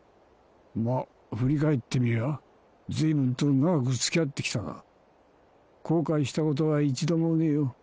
まぁ振り返ってみりゃ随分と長く付き合って来たが後悔したことは一度もねえよ。